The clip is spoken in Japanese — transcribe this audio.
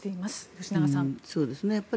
吉永さん。